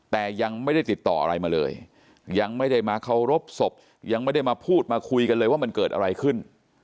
แต่ยังไม่ได้ติดต่ออะไรมาเลยยังไม่ได้มาเคารพศพยังไม่ได้มาพูดมาคุยกันเลยว่ามันเกิดอะไรขึ้น